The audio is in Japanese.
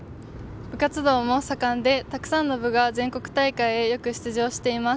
部活動も盛んでたくさんの部が全国大会へよく出場しています。